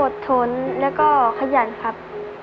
ทนแล้วก็ขยันครับ